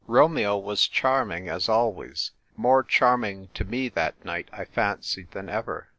Romeo was charming, as always — more charming to me that night, I fancied, than ever.